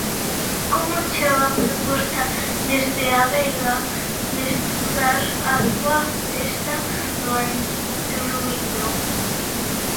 Como chega a proposta desde A Veiga de estudar a súa festa do Entruido?